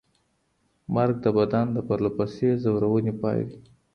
مرګ د بدن د پرله پسې ځورونې پای دی.